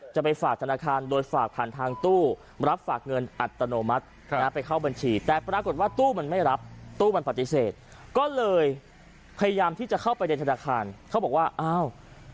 จะไปฝากธนาคารโดยฝากผ่านทางตู้รับฝากเงินอัตโนมัตินะไปเข้าบัญชีแต่ปรากฏว่าตู้มันไม่รับตู้มันปฏิเสธก็เลยพยายามที่จะเข้าไปในธนาคารเขาบอกว่าอ้าว